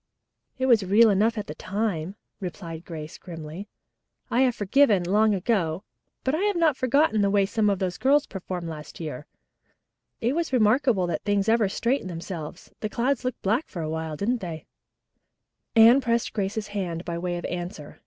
"It was real enough then," replied Grace grimly. "I have forgiven, long ago, but I have not forgotten the way some of those girls performed last year. It was remarkable that things ever straightened themselves. The clouds looked black for a while, didn't they?" Anne pressed Grace's hand by way of answer.